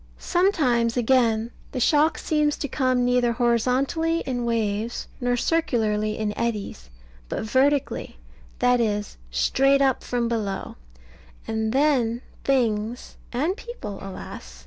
Sometimes, again, the shock seems to come neither horizontally in waves, nor circularly in eddies, but vertically, that is, straight up from below; and then things and people, alas!